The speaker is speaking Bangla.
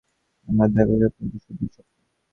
আমার দেখা স্বপ্নগুলো শুধুই স্বপ্ন।